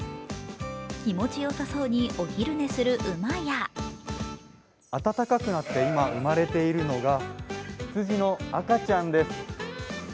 気持ちよさそうにお昼寝する馬や暖かくなって今、生まれているのが羊の赤ちゃんです。